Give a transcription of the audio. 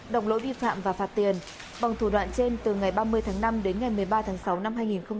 đồng lỗi vi phạm và phạt tiền bằng thủ đoạn trên từ ngày ba mươi tháng năm đến ngày một mươi ba tháng sáu năm hai nghìn hai mươi